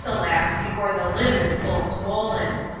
elapse before the limb is full sw^dllen.